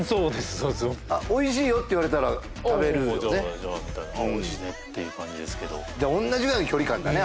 そうですおいしいよって言われたら食べるおいしいねっていう感じですけどじゃあ同じぐらいの距離感だね